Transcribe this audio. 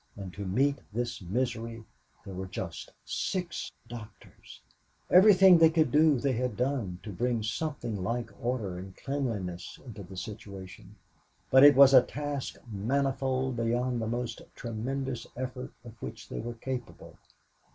And to meet this misery, there were just six doctors! Everything that they could do they had done to bring something like order and cleanliness into the situation, but it was a task manifold beyond the most tremendous effort of which they were capable.